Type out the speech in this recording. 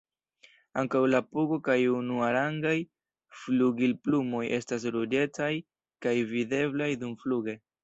Ankaŭ la pugo kaj unuarangaj flugilplumoj estas ruĝecaj kaj videblaj dumfluge.